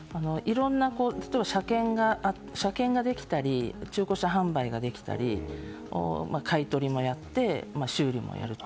車検ができたり中古車販売ができたり買い取りもやって、修理もやると。